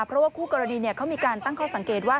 เพราะว่าคู่กรณีเขามีการตั้งข้อสังเกตว่า